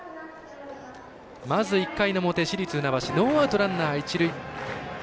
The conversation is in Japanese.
まず１回の表、市立船橋ノーアウト、ランナー、一塁。